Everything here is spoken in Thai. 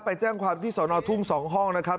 ไปแจ้งความที่สอนอทุ่ง๒ห้องนะครับ